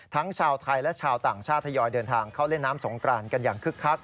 ชาวไทยและชาวต่างชาติทยอยเดินทางเข้าเล่นน้ำสงกรานกันอย่างคึกคัก